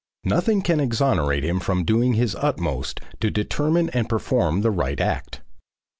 Nothing can exonerate him from doing his utmost to determine and perform the right act.